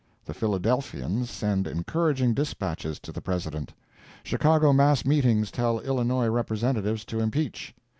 The Philadelphians send encouraging dispatches to the President. Chicago mass meetings tell Illinois Representatives to impeach.